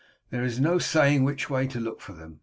There is no saying which way to look for them.